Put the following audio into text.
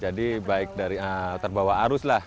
jadi baik dari terbawa arus lah